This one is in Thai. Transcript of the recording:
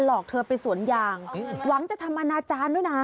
หลอกเธอไปสวนยางหวังจะทำอนาจารย์ด้วยนะ